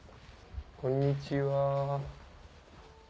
こんにちは。